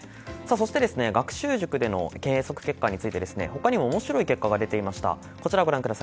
そして、学習塾での計測結果について他にも面白い結果が出ていました。